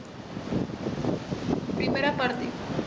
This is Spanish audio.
Primera Parte.